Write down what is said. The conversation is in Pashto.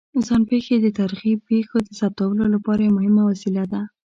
ځان پېښې د تاریخي پېښو د ثبتولو لپاره یوه مهمه وسیله ده.